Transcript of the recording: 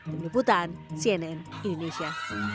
penyeputan cnn indonesia